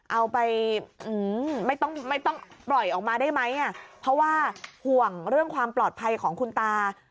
เอาไปไม่ต้องไม่ต้องปล่อยออกมาได้ไหมเพราะว่าห่วงเรื่องความปลอดภัยของคุณตา